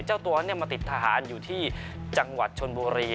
เจ้าตัวมาติดทหารอยู่ที่จังหวัดชนบุรี